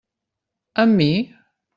Amb mi?